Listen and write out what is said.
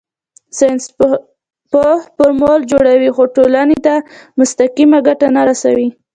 ساینسپوه فورمول جوړوي خو ټولنې ته مستقیمه ګټه نه رسوي.